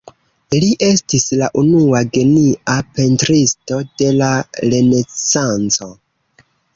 Li estis la unua genia pentristo de la Renesanco.